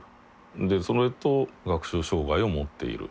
でそれと学習障害を持っている。